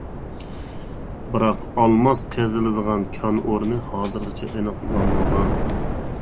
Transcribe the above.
بىراق ئالماس قېزىلىدىغان كان ئورنى ھازىرغىچە ئېنىقلانمىغان.